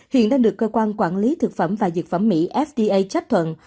hiện đang được cơ quan quản lý thực phẩm và dược phẩm mỹ fda chấp thuận